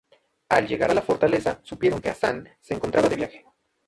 Al llegar a la fortaleza, supieron que Hasan se encontraba de viaje.